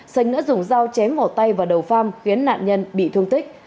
sánh đã dùng dao chém vào tay và đầu pham khiến nạn nhân bị thương tích